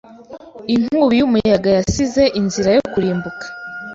Inkubi y'umuyaga yasize inzira yo kurimbuka.